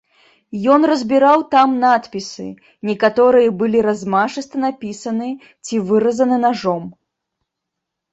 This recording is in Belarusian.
Ён разбіраў там надпісы, некаторыя былі размашыста напісаны ці выразаны нажом.